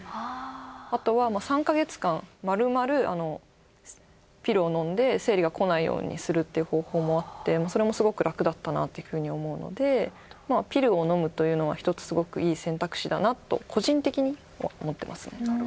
あとは３か月間まるまるピルを飲んで生理が来ないようにするっていう方法もあってそれもすごく楽だったなっていうふうに思うのでピルを飲むというのは一つすごくいい選択肢だなと個人的には思っていますね。